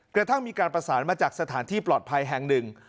กระทั่งมีการประสานมาจากสถานที่ปลอดภัยแห่งหนึ่ง